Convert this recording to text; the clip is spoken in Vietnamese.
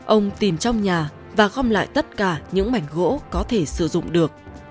ông tìm trong nhà và gom lại tất cả những mảnh gỗ có thể sử dụng được